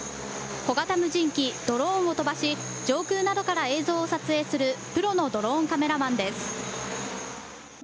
小型無人機、ドローンを飛ばし、上空などから映像を撮影するプロのドローンカメラマンです。